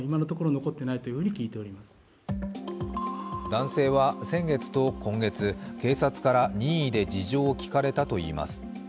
男性は先月と今月、警察から任意で事情を聴かれたといいます。